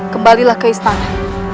kembalilah ke istana